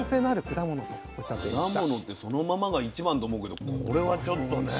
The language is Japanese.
果物ってそのままが一番と思うけどこれはちょっとね。